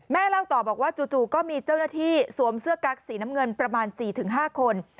เล่าต่อบอกว่าจู่ก็มีเจ้าหน้าที่สวมเสื้อกั๊กสีน้ำเงินประมาณ๔๕คน